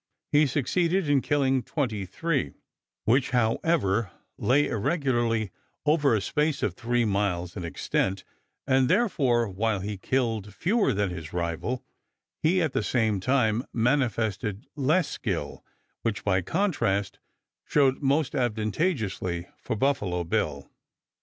He succeeded in killing twenty three, which, however, lay irregularly over a space three miles in extent, and therefore while he killed fewer than his rival, he at the same time manifested less skill, which by contrast showed most advantageously for Buffalo Bill.